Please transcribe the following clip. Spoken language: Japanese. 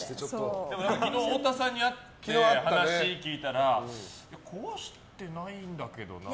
昨日、太田さんに会って話聞いたら壊してないんだけどなって。